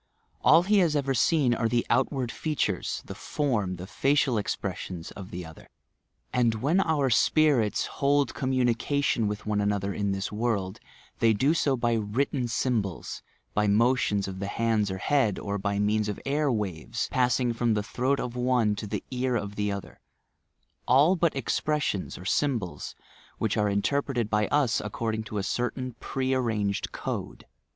All he has ever seeu are the outward features, the form, the facial expressions of the other; and when our spirits hold commiinieatioD with one another in this world, they do so by written symbols, by motions of the hands or head, or by means of air waves, passing from the throat of one to the ear of the other — all but expressions or symbols, which are interpreted by us according to a certain pre arranged code.